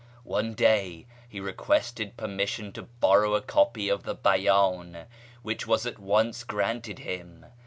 One day he requested permission to borrow a copy of the Beydn, which was at once granted him.